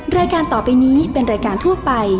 รายการต่อไปนี้เป็นรายการทั่วไป